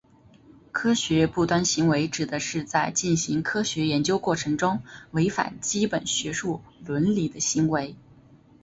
科学不端行为指的是在进行科学研究过程中违反基本学术伦理的行为。